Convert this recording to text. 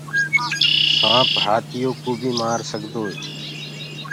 سآنٚپ هآتِيوڪو بي مآرسگدوئي